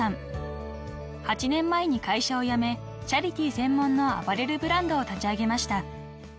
［８年前に会社を辞めチャリティー専門のアパレルブランドを立ち上げました］